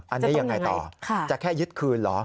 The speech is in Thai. อันนี้ยังไงต่อจะแค่ยึดคืนเหรอ